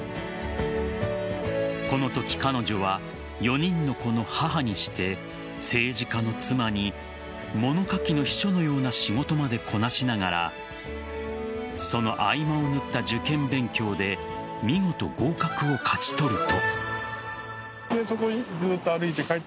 このとき、彼女は４人の子の母にして政治家の妻に物書きの秘書のような仕事までこなしながらその合間を縫った受験勉強で見事、合格を勝ち取ると。